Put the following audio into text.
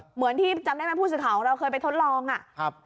เหมือนที่จำได้ไหมผู้สื่อข่าวของเราเคยไปทดลองอ่ะครับ